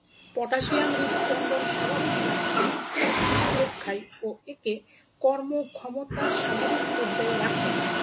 Potassium হৃৎস্পন্দন স্বাভাবিক রাখতে, কিডনি সুরক্ষায় ও একে কর্মক্ষমতা স্বাভাবিক পর্যায়ে রাখে।